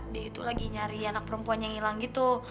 dia itu lagi nyari anak perempuan yang hilang gitu